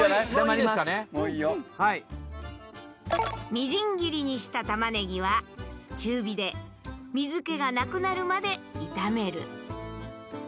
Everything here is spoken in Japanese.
みじん切りにしたたまねぎは中火で水けがなくなるまで炒める。